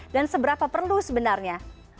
dan seberapa perlu sebenarnya